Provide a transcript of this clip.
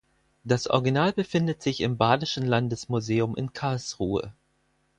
Das Original befindet sich im Badischen Landesmuseum in Karlsruhe.